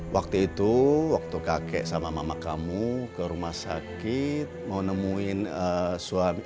waktu itu waktu kakek sama mama kamu ke rumah sakit mau nemuin suami